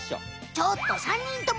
ちょっと３にんとも！